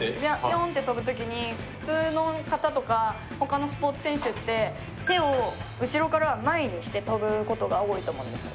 ピョーンって跳ぶ時に普通の方とか他のスポーツ選手ってして跳ぶことが多いと思うんです